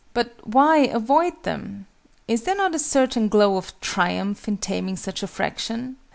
But why avoid them? Is there not a certain glow of triumph in taming such a fraction?